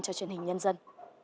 cho truyền hình nhân dân